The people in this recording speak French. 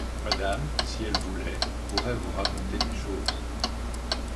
Madame, si elle voulait, pourrait vous raconter des choses.